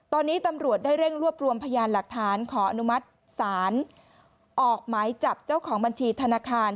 ตอนนี้ตำรวจได้เร่งรวบรวมพยานหลักฐานขออนุมัติศาลออกหมายจับเจ้าของบัญชีธนาคาร